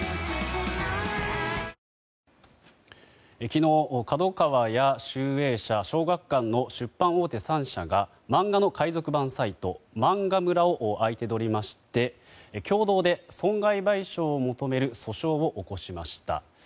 昨日、角川や集英社小学館の出版大手３社が漫画の海賊版サイト漫画村を相手取りまして共同で損害賠償を求める訴訟を起こしました。